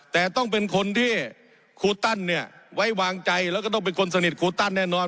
แต่ต้องเป็นคนที่ครูตั้นเนี่ยไว้วางใจแล้วก็ต้องเป็นคนสนิทครูตั้นแน่นอน